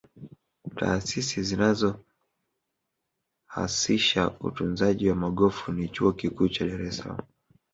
taasisi zinazohasisha utunzaji wa magofu ni chuo Kikuu cha dar es salaam